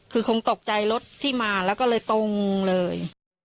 คือคงตกใจรถที่มาแล้วก็เลยตรงเลย